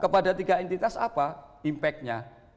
kepada tiga entitas apa impactnya